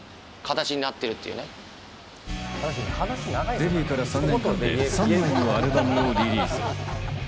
デビューから３年間で３枚ものアルバムをリリース。